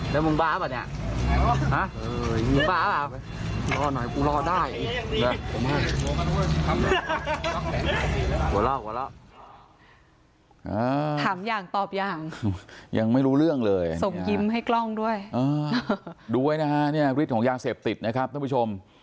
ดูไว้นะคะแบบนี้ของอย่างเสพติดนะครับท่านผู้ชม